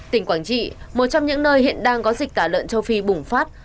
tỉnh quảng trị một trong những nơi hiện đang có dịch tả lợn châu phi bùng phát